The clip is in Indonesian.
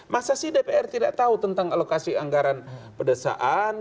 masa sih dpr tidak tahu tentang alokasi anggaran pedesaan